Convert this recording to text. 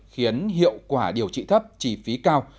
khiến hiệu quả điều trị thấp chi phí cao